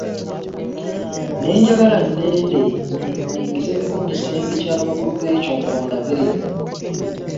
Ne njagala nnende nningizeeko mu kisenge ky'abakulu b'ekyombo ndabe.